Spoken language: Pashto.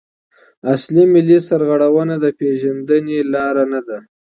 اصل ملي سرغړونه د پیژندني لاره نده.